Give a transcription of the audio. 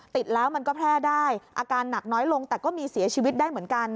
ติดแล้วมันก็แพร่ได้อาการหนักน้อยลงแต่ก็มีเสียชีวิตได้เหมือนกัน